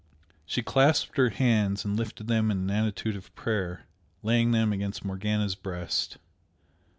She clasped her hands and lifted them in an attitude of prayer, laying them against Morgana's breast.